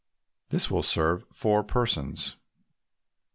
This will serve four persons.